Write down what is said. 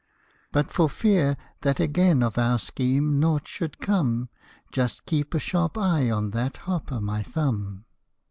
But for fear that again of our scheme nought should come, Just keep a sharp eye on that Hop o' my Thumb."